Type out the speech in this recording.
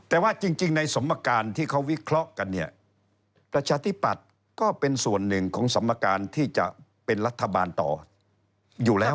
แต่ว่าจริงในสมการที่เขาวิเคราะห์กันเนี่ยประชาธิปัตย์ก็เป็นส่วนหนึ่งของสมการที่จะเป็นรัฐบาลต่ออยู่แล้ว